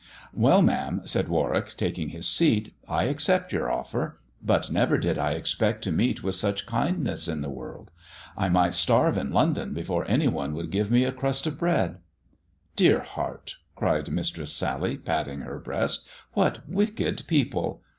" Well, ma'am," said Warwick, taking his seat, " I accef your offer. But never did I expect to meet with sucl kindness in the world. I might starve in London befori any one would give me a crust of bread." " Dear heart," cried Mistress Sally, patting her breast " what wicked people